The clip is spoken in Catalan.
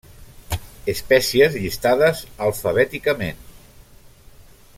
Espècies llistades alfabèticament.